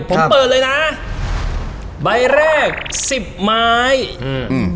ผมเปิดเลยนะใบแรกสิบไม้อืม